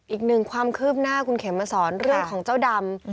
อีกหนึ่งความคืบหน้าคุณเข็มมาสอนเรื่องของเจ้าดำ